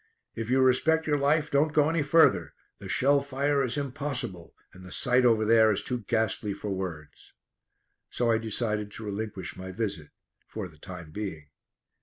"If you respect your life don't go any further. The shell fire is impossible, and the sight over there is too ghastly for words." So I decided to relinquish my visit for the time being.